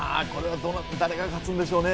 誰が勝つんでしょうね。